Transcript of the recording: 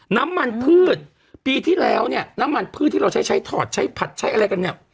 น้ำมันพืชปีที่แล้วเนี่ยน้ำมันพืชที่เราใช้ใช้ถอดใช้ผัดใช้อะไรกันเนี่ย